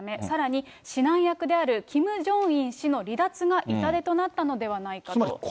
さらに、指南役である、キム・ジョンイン氏の離脱が痛手となったのではないかと。